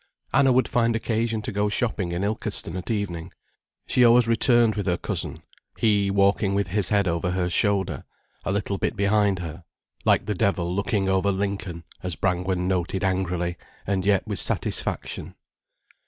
Anna would find occasion to go shopping in Ilkeston at evening. She always returned with her cousin; he walking with his head over her shoulder, a little bit behind her, like the Devil looking over Lincoln, as Brangwen noted angrily and yet with satisfaction.